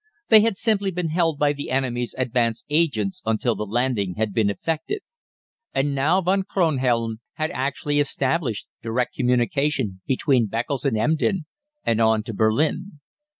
They had simply been held by the enemy's advance agents until the landing had been effected. And now Von Kronhelm had actually established direct communication between Beccles and Emden, and on to Berlin.